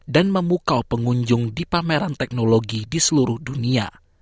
dan memukau pengunjung di pameran teknologi di seluruh dunia